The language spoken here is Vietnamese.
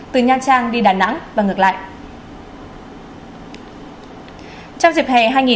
từ nha trang đi đà nẵng và ngược lại